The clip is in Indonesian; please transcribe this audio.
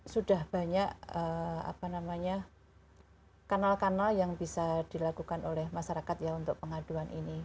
sudah banyak kanal kanal yang bisa dilakukan oleh masyarakat ya untuk pengaduan ini